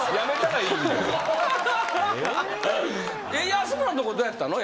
安村のとこはどうやったの？